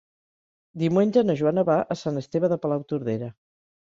Diumenge na Joana va a Sant Esteve de Palautordera.